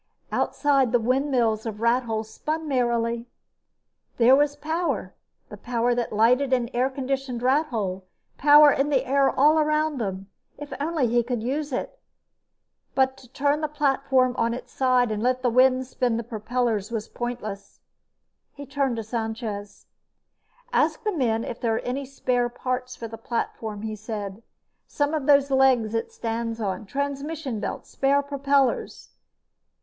Outside, the windmills of Rathole spun merrily. There was power, the power that lighted and air conditioned Rathole, power in the air all around them. If he could only use it! But to turn the platform on its side and let the wind spin the propellers was pointless. He turned to Sanchez. "Ask the men if there are any spare parts for the platform," he said. "Some of those legs it stands on, transmission belts, spare propellers."